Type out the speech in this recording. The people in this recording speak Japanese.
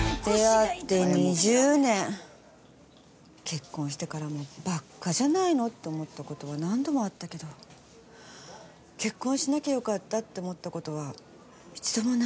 結婚してからもバッカじゃないのって思ったことは何度もあったけど結婚しなきゃよかったって思ったことは一度もないんだよね。